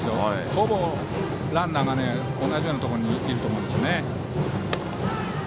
ほぼランナーから同じようなところにいると思うんですよね。